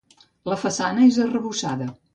La façana és arrebossada.